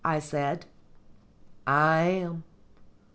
I said. "I am."